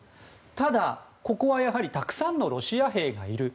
ただ、ここはやはりたくさんのロシア兵がいる。